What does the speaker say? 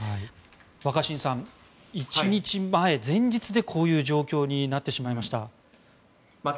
若新さん１日前、前日でこういう状況になりました。